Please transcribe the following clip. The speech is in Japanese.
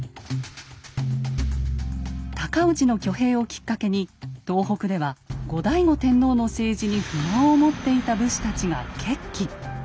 尊氏の挙兵をきっかけに東北では後醍醐天皇の政治に不満を持っていた武士たちが決起。